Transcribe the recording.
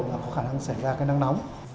và có khả năng xảy ra cái nắng nóng